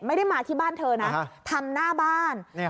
ไม่ได้มาที่บ้านเธอนะทำหน้าบ้าน